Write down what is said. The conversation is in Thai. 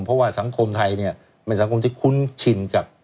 เพราะว่าสังคมไทยเนี่ยเป็นสังคมที่คุ้นชินกับ